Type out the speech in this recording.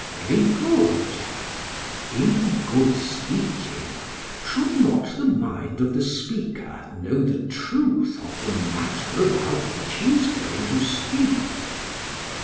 PHAEDRUS: Very good. SOCRATES: In good speaking should not the mind of the speaker know the truth of the matter about which he is going to speak?